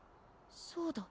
そうだ